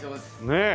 ねえ。